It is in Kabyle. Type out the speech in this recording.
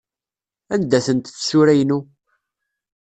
Anda-tent tsura-inu?